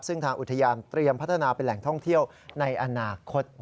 ซึ่งทางอุทยานเตรียมพัฒนาเป็นแหล่งท่องเที่ยวในอนาคต